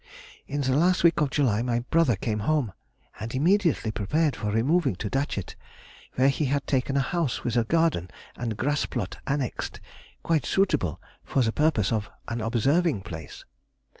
In the last week of July my brother came home, and immediately prepared for removing to Datchet, where he had taken a house with a garden and grass plot annexed, quite suitable for the purpose of an observing place.